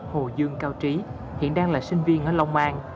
hồ dương cao trí hiện đang là sinh viên ở long an